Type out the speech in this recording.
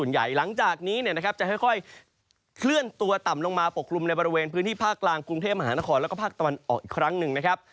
หลังจากนี้จะค่อยเคลื่อนตัวต่ำลงมาปกกลุ่มในบริเวณพื้นที่ภาคกลางกรุงเทพมหานครแล้วก็ภาคตะวันออกอีกครั้งหนึ่งนะครับ